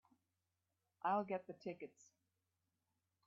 I'll get the tickets.